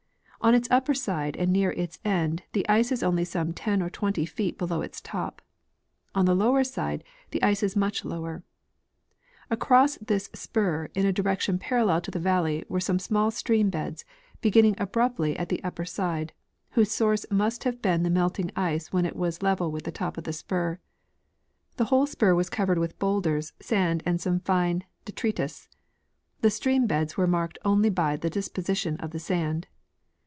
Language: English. On its upper side and near its end the ice is only some 10 or 20 feet below its top ; on the lower side the ice is much lower, ilcross this spur in a direction parallel to the valle}^ were some small stream Ijecls, beginning abruptly at the upper side, whose source must have been the melting ice when it was level with the top of the spur. The whole spur was covered with bowlders, sand, and some fine detritus. The stream JDcds were marked only by the disposition of the sand.